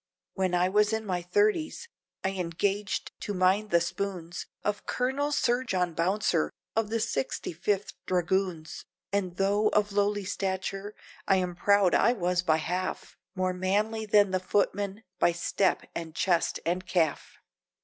When I was in my thirties, I engaged to mind the spoons, Of Colonel Sir John Bouncer, of the Sixty fifth Dragoons, And tho' of lowly stature, I am proud I was by half, More manly than the footman, by step, and chest, and calf.